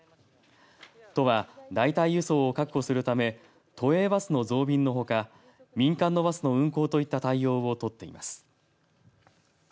都は代替輸送を確保するため都営バスの増便のほか民間のバスの運行といった対応をとっています。